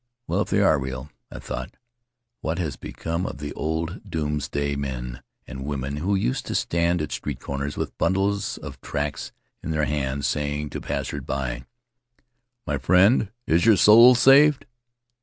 "Well, if they are real," I thought, "what has become of the old doomsday men and women who used to stand at street corners with bundles of tracts in their hands, saying to passers by, 'My friend, is your soul saved?'?"